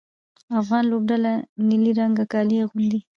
افغان لوبډله نیلي رنګه کالي اغوندي.